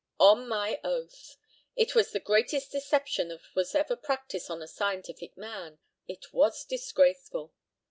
On my oath. It was the greatest deception that was ever practised on a scientific man. It was disgraceful.